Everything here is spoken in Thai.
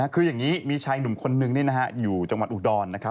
คืออย่างนี้มีชายหนุ่มคนนึงอยู่จังหวัดอุดรนะครับ